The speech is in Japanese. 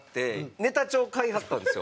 ネタ帳買いはったんですよ